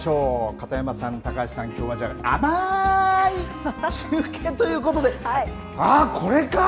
片山さん、高橋さん、きょうは甘ーい中継ということで、あっ、これか！